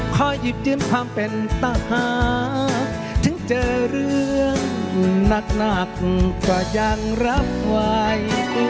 คอยหยิบยืนความเป็นตะหักถึงเจอเรื่องหนักหนักก็ยังรับไว้